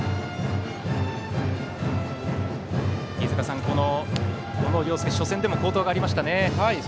飯塚さん、小野涼介は初戦でも好投がありましたね。